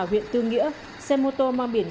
huyện tương nghĩa xe ô tô mang biển